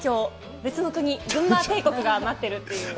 別の国、群馬帝国が待っているという。